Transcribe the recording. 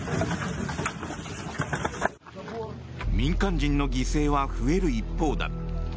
民間人の犠牲は増える一方だ。